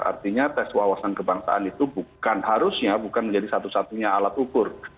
artinya tes wawasan kebangsaan itu bukan harusnya bukan menjadi satu satunya alat ukur